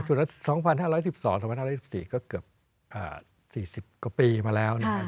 จุดนั้น๒๕๑๒๒๕๑๔ก็เกือบ๔๐กว่าปีมาแล้วนะฮะ